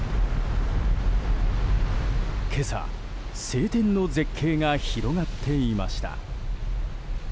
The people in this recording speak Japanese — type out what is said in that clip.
今朝晴天の絶景が広がっていました。